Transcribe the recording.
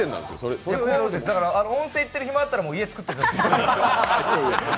温泉行ってる暇あったら、家作ってください。